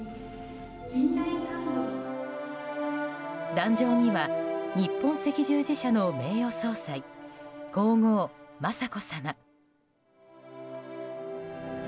壇上には日本赤十字社の名誉総裁皇后・雅子さま。